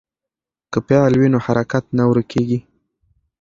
که فعل وي نو حرکت نه ورکېږي.